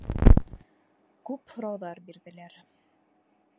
Күп һорауҙар бирҙеләр.